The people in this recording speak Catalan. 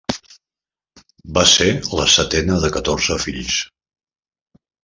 Va ser la setena de catorze fills.